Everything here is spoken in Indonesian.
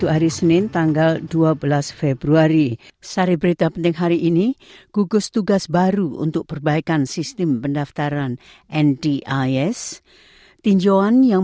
anda bersama sbs bahasa indonesia